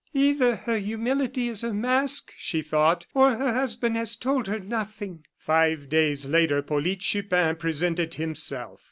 "Either her humility is a mask," she thought, "or her husband has told her nothing." Five days later Polyte Chupin presented himself.